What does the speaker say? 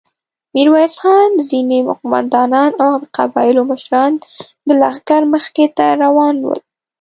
ميرويس خان، ځينې قوماندانان او د قبيلو مشران د لښکر مخې ته روان ول.